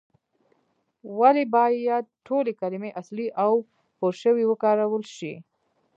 ولې باید ټولې کلمې اصلي او پورشوي وکارول شي؟